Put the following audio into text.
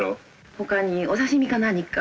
他にお刺身か何か。